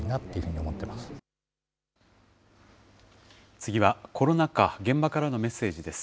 次はコロナ禍・現場からのメッセージです。